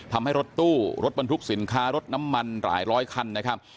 ทำให้รถตู้รถบรรทุกสินค้ารถน้ำมันหลายร้อยคันนะครับ